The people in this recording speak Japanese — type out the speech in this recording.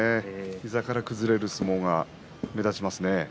膝から崩れる相撲が目立ちますね。